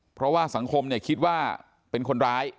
เพราะว่าสังคมคิดว่าเป็นคนร้าย